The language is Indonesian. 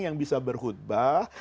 yang bisa berkhutbah